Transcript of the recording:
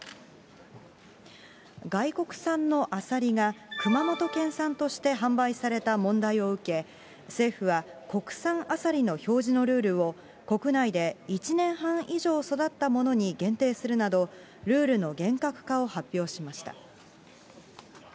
外国産のアサリが、熊本県産として販売された問題を受け、政府は国産アサリの表示のルールを、国内で１年半以上育ったものに限定するなど、ルールの厳格化を発表しました。